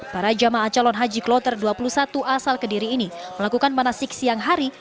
para jamaah calon haji kloter dua puluh satu asal kediri ini melakukan manasik siang hari